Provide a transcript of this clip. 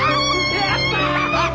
やった！